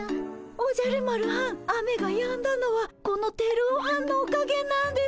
おじゃる丸はん雨がやんだのはこのテルオはんのおかげなんです。